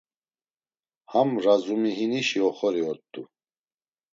Ham Razumihinişi oxori ort̆u.